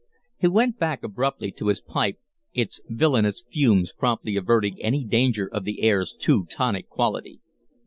He went back abruptly to his pipe, its villanous fumes promptly averting any danger of the air's too tonic quality.